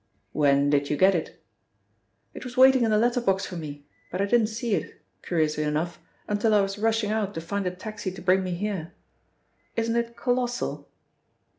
"When did you get it?" "It was waiting in the letter box for me, but I didn't see it, curiously enough, until I was rushing out to find a taxi to bring me here. Isn't it colossal?"